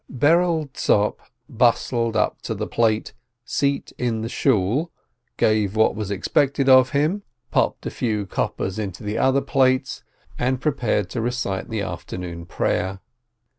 Berel Tzop bustled up to the plate "Seat .in the Shool," gave what was expected of him, popped a few 192 KOSEXTHAL coppers into the other plates, and prepared to recite the Afternoon Prayer.